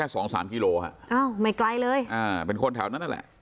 และไปแค่สองสามกิโลฮะไม่ไกลเลยเป็นคนแถวนั่นแหละ